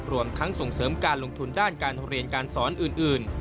รวมทั้งส่งเสริมการลงทุนด้านการเรียนการสอนอื่น